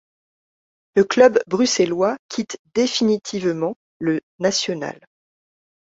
Le club bruxellois quitte définitivement le national.